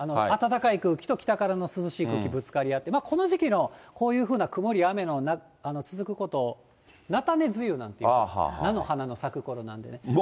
暖かい空気と北からの涼しい空気、ぶつかり合って、この時期の、こういうふうな曇り雨の続くことを、菜種梅雨なんていって、菜の花の咲くころなんでね。